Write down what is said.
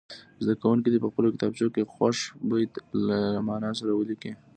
زده کوونکي دې په خپلو کتابچو کې خوښ بیت له معنا سره ولیکي.